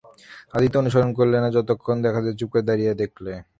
আদিত্য অনুসরণ করলে না, যতক্ষণ দেখা যায় চুপ করে দাঁড়িয়ে দেখলে।